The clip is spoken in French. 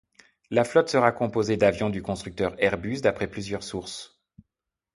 La flotte sera composée d'avions du constructeur Airbus d'après plusieurs sources.